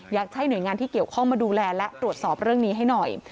อยากให้หน่วยงานที่เกี่ยวข้องมาดูแลและตรวจสอบเรื่องนี้ให้หน่อย